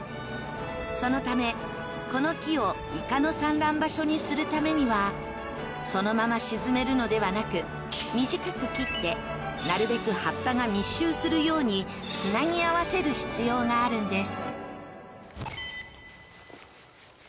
そのため、この木をイカの産卵場所にするためにはそのまま沈めるのではなく、短く切って、なるべく葉っぱが密集するようにつなぎ合わせる必要があるんです。